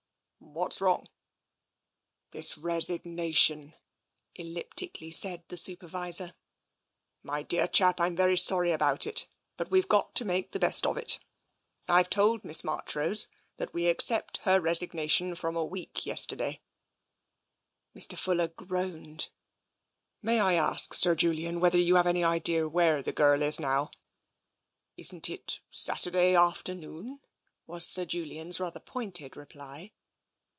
"Whafs wrong?" " This resignation," elliptically said the Supervisor. " My dear chap, Fm very sorry about it, but we've got to make the best of it. I've told Miss Marchrose t 266 TENSION that we accept her resignation from a week yester day." Mr. Fuller groaned. " May I ask, Sir Julian, whether you have any idea where the girl is now ?" "Isn't it Saturday afternoon?" was Sir Julian's rather pointed reply.